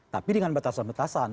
tapi dengan batasan batasan